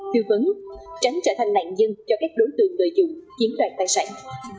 tiêu vấn tránh trở thành nạn dân cho các đối tượng tội dụng chiếm đoàn tài sản